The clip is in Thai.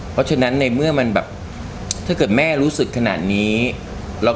เพราะฉะนั้นในเมื่อมันแบบถ้าเกิดแม่รู้สึกขนาดนี้